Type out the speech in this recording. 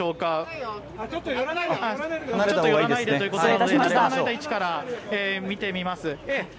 ちょっと寄らないでということなので離れた位置から見てみます。